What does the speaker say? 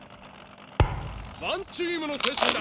ワンチームの精神だ。